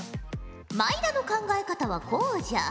毎田の考え方はこうじゃ。